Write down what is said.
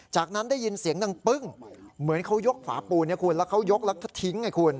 จากนั้นได้ยินเสียงดังปึ้งเหมือนเขายกฝาปูนให้คุณแล้วเขายกแล้วก็ทิ้งไงคุณ